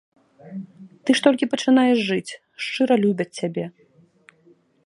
Ты ж толькі пачынаеш жыць, шчыра любяць цябе.